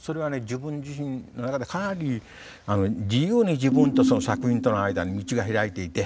自分自身の中でかなり自由に自分とその作品との間に道が開いていて。